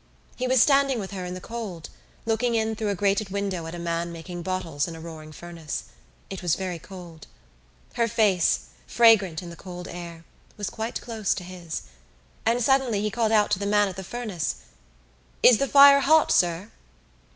He was standing with her in the cold, looking in through a grated window at a man making bottles in a roaring furnace. It was very cold. Her face, fragrant in the cold air, was quite close to his; and suddenly he called out to the man at the furnace: "Is the fire hot, sir?"